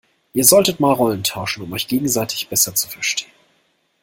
Ihr solltet mal Rollen tauschen, um euch gegenseitig besser zu verstehen.